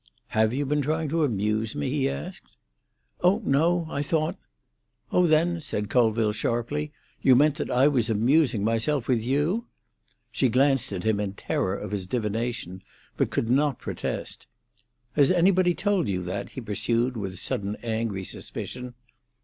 "Have you been trying to amuse me?" he asked. "Oh no. I thought——" "Oh, then," said Colville sharply, "you meant that I was amusing myself with you?" She glanced at him in terror of his divination, but could not protest. "Has any one told you that?" he pursued, with sudden angry suspicion.